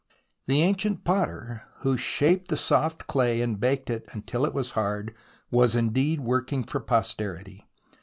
The ancient potter who shaped the soft clay and baked it until it was hard was indeed working for posterity.